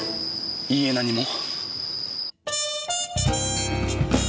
いいえ何も。